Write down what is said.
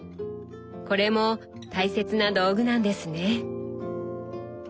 これも大切な道具なんですね。